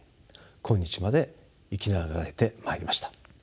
今日まで生き長らえてまいりました。